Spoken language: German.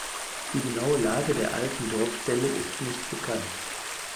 Die genaue Lage der alten Dorfstelle ist nicht bekannt.